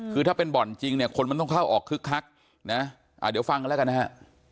คือถ้าเป็นบ่อนจริงเนี่ยคนมันต้องเข้าออกคึกคักนะเดี๋ยวฟังกันแล้วกันนะฮะ